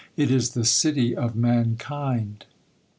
It is the city of mankind